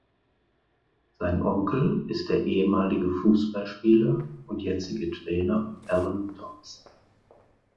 Sein Onkel ist der ehemalige Fußballspieler und jetzige Trainer Alan Thompson.